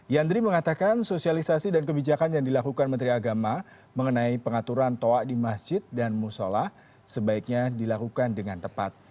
yandri mengatakan sosialisasi dan kebijakan yang dilakukan menteri agama mengenai pengaturan toa di masjid dan musola sebaiknya dilakukan dengan tepat